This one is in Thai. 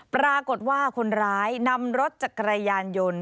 ปรากฏว่าคนร้ายนำรถจักรยานยนต์